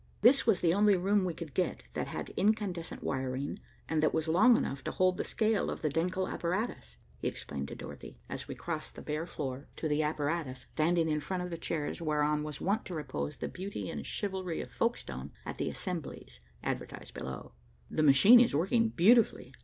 "This was the only room we could get that had incandescent wiring, and that was long enough to hold the scale of the Denckel apparatus," he explained to Dorothy, as we crossed the bare floor to the apparatus, standing in front of the chairs whereon was wont to repose the beauty and chivalry of Folkestone, at the "assemblies" advertised below. "The machine is working beautifully.